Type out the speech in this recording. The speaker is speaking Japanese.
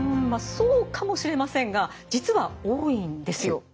そうかもしれませんが実は多いんですよ。